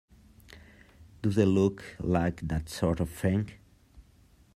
Do they look like that sort of thing?